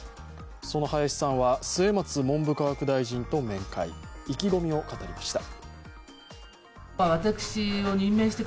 その林さんは末松文部科学大臣と面会、意気込みを語りました。